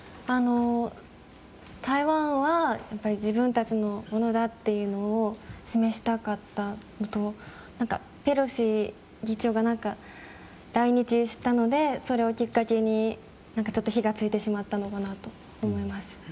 台湾は自分たちのものだというのを示したかったのとペロシ議長が来日したのでそれをきっかけに火が付いてしまったのかなと思います。